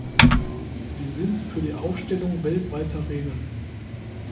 Wir sind für die Aufstellung weltweiter Regeln.